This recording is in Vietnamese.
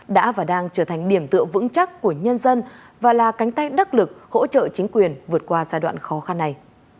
đã và đang trở thành điểm tựa vững chắc của nhân dân và là cánh tay đắc lực hỗ trợ chính quyền vượt qua giai đoạn khó khăn này